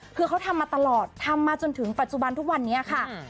คือเขาทำมาตลอดทำมาจนถึงปัจจุบันทุกวันนี้ค่ะ